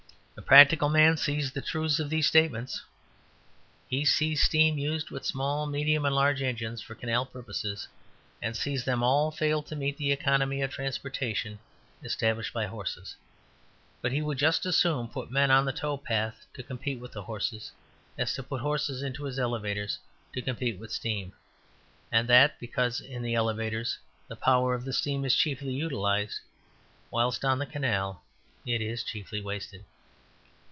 The practical man sees the truths of these statements. He sees steam used with small, medium and large engines for canal purposes, and sees them all fail to meet the economy of transportation established by horses; but he would just as soon put men on the tow path to compete with horses as to put horses into his elevators to compete with steam; and that, because in the elevators the power of the steam is chiefly utilized, whilst on the canal it is chiefly wasted.